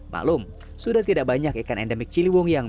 maklum sudah tidak banyak ikan endemik ciliwung yang